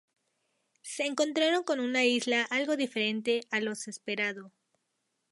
Se encontraron con una isla algo diferente a los esperado.